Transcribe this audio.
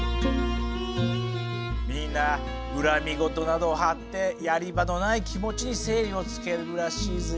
みんな恨み言などを貼ってやり場のない気持ちに整理をつけるらしいぜ。